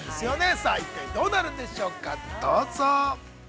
さあ、一体どうなるんでしょうか、どうぞ。